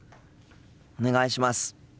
お願いします。